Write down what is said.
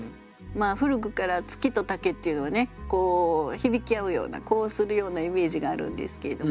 古くから月と竹っていうのはね響き合うような呼応するようなイメージがあるんですけれども。